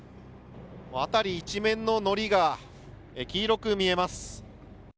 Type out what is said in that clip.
辺り一面ののりが黄色く見えます。